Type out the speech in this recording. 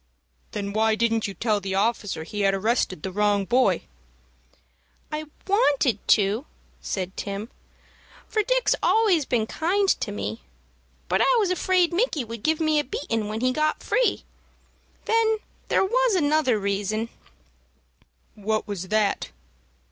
"Then why didn't you tell the officer he had arrested the wrong boy?" "I wanted to," said Tim, "for Dick's always been kind to me; but I was afraid Micky would give me a beatin' when he got free. Then there was another reason." "What was that?"